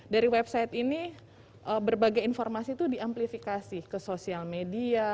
dari website ini berbagai informasi itu di amplifikasi ke sosial media